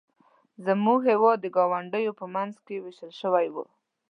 زموږ هېواد د ګاونډیو په منځ کې ویشل شوی و.